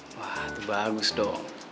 wah itu bagus dong